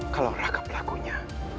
kalau raka pelakunya